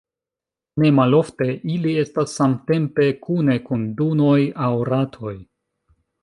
Ne malofte ili estas samtempe kune kun Dun-oj aŭ Rath-oj.